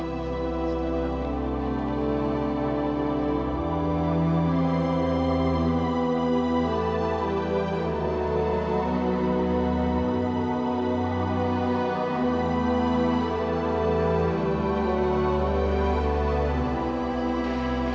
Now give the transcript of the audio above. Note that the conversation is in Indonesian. terbangin burungnya ya